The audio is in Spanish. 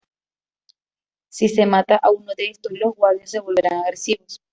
Si se mata a uno de estos, los guardias se volverán agresivos.